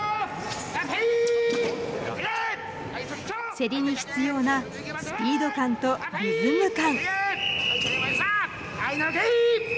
競りに必要なスピード感とリズム感。